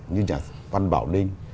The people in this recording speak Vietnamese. như nhà văn bảo linh